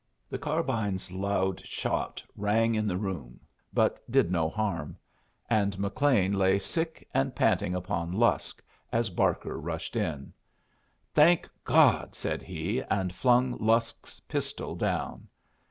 The carbine's loud shot rang in the room, but did no harm; and McLean lay sick and panting upon Lusk as Barker rushed in. "Thank God!" said he, and flung Lusk's pistol down.